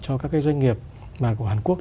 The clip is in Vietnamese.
cho các doanh nghiệp của hàn quốc